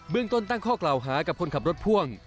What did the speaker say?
ต้นตั้งข้อกล่าวหากับคนขับรถพ่วง